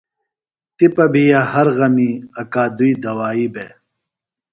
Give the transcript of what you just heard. تپہ بھیہ ہر غمیۡ اکادئی دوائی بےۡ۔